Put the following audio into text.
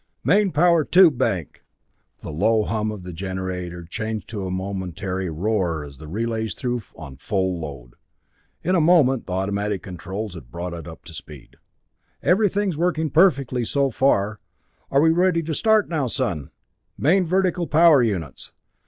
"Main power tube bank!" The low hum of the generator changed to a momentary roar as the relays threw on full load. In a moment the automatic controls had brought it up to speed. "Everything is working perfectly so far. Are we ready to start now, son?" "Main vertical power units!"